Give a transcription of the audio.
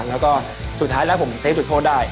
แล้วก็สุดท้ายแล้วผมเซฟจุดโทษได้